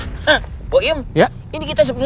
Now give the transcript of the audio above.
tapi kerasaanku mulek fabulous